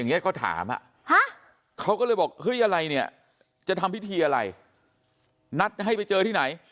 เขาถามเขาก็เลยบอกเฮ้ยอะไรเนี่ยจะทำพิธีอะไรนัดให้ไปเจอที่ไหน